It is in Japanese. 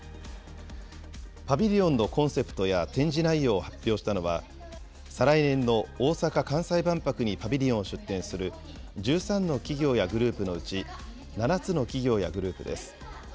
パビリオンのコンセプトや展示内容を発表したのは、再来年の大阪・関西万博にパビリオンを出展する、１３の企業やグループのうち、７つの企業やグループです。